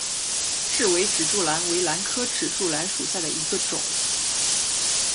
雉尾指柱兰为兰科指柱兰属下的一个种。